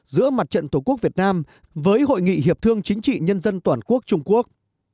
giữa mặt trận tổ quốc việt nam với hội nghị hiệp thương chính trị nhân dân toàn quốc trung quốc